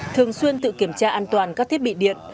thường xuyên tự kiểm tra an toàn các thiết bị điện